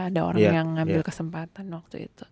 ada orang yang ngambil kesempatan waktu itu